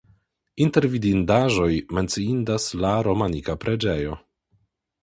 Inter vidindaĵoj menciindas la romanika preĝejo.